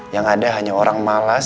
yang ada hanya orang malas